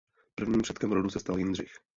První předkem rodu se stal Jindřich.